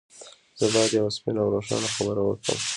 زه بايد يوه سپينه او روښانه خبره وکړم.